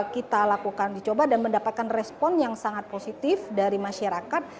kita lakukan dicoba dan mendapatkan respon yang sangat positif dari masyarakat